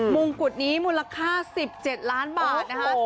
มงกุฎนี้มูลค่า๑๗ล้านบาทนะคะ